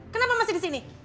kenapa masih disini